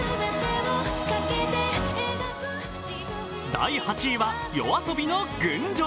第８位はＹＯＡＳＯＢＩの「群青」。